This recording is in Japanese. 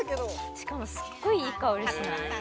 しかもすっごいいい香りしない？